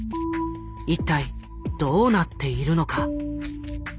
一体どうなっているのか。